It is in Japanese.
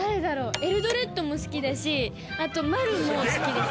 エルドレッドも好きだしあと丸も好きです。